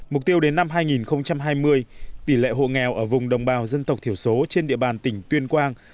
mục tiêu đến năm hai nghìn hai mươi tỷ lệ hộ nghèo ở vùng đồng bào dân tộc thiểu số trên địa bàn tỉnh tuyên quang